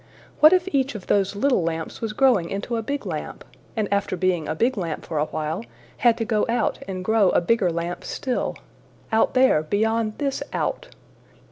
What if each of those little lamps was growing into a big lamp, and after being a big lamp for a while, had to go out and grow a bigger lamp still out there, beyond this out?